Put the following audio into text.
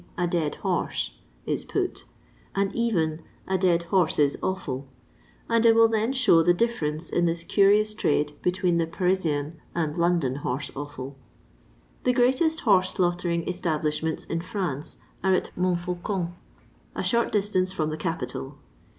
a dead horse, is put, and even a dead horse's offal, and I will then show the difference in this curious trade between the Parisian and London horse offiil. The greatest horse slaughtering establishments in France are at Montfaucon, a short distance from the capital.